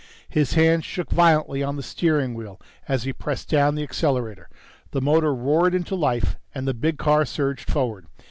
His hands shook violently on the steering wheel as he pressed down the accelerator. The motor roared into life and the big car surged forward.